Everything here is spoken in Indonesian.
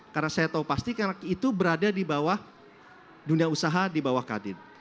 karena saya tahu pasti karena itu berada di bawah dunia usaha di bawah kadin